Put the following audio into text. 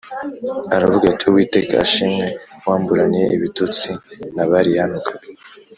aravuga ati “Uwiteka ashimwe wamburaniye ibitutsi Nabali yantukaga